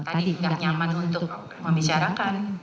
tadi nggak nyaman untuk membicarakan